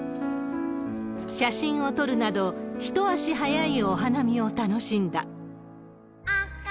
写真を撮るなど、一足早いお花見を楽しんだ。